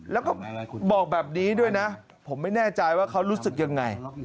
แล้วก็บอกแบบนี้ด้วยนะผมไม่แน่ใจว่าเขารู้สึกยังไง